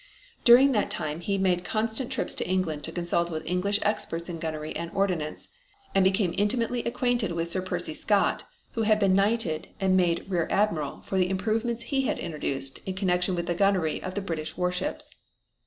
During that time he made constant trips to England to consult with English experts in gunnery and ordnance, and became intimately acquainted with Sir Percy Scott, who had been knighted and made Rear Admiral for the improvements he had introduced in connection with the gunnery of the British warships.